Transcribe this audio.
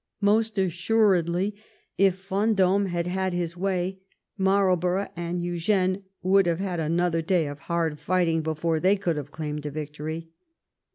Most assuredlj if Vendome had had his way Marlborough and Eugene would have had another day of hard fighting before they could have claimed a victory.